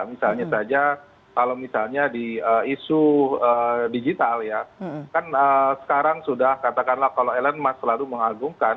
misalnya saja kalau misalnya di isu digital ya kan sekarang sudah katakanlah kalau elon musk selalu mengagumkan